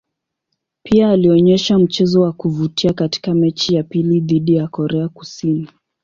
Pia alionyesha mchezo wa kuvutia katika mechi ya pili dhidi ya Korea Kusini.